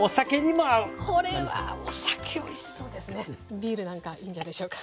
ビールなんかいいんじゃないでしょうか。